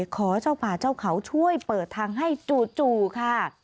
ขอเจ้าป่าเจ้าเขาช่วยเปิดทางให้จู่ค่ะ